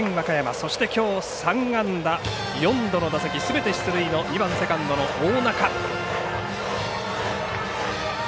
そしてきょう３安打４度の打席すべて出塁の２番セカンドの大仲。